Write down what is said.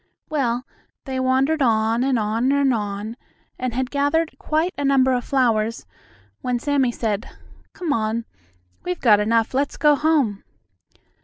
Well, they wandered on, and on, and on, and had gathered quite a number of flowers, when Sammie said: "Come on, we've got enough; let's go home."